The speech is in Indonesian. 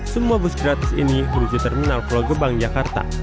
semua bus gratis ini menuju terminal pulau gebang jakarta